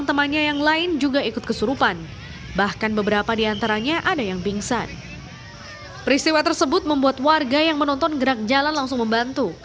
tidak ada yang menonton gerak jalan langsung membantu